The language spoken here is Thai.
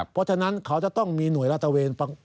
เพราะฉะนั้นเขาจะต้องมีหน่วยราชเวน